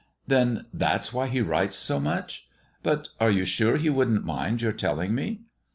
"Then that's why he writes so much. Oh, but are you sure he wouldn't mind your telling me?"